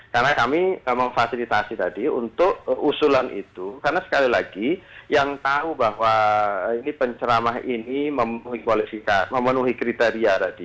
karena kami memfasilitasi tadi untuk usulan itu karena sekali lagi yang tahu bahwa ini penceramah ini memenuhi kritisnya tadi itu adalah apa yang menggunakan mereka selama ini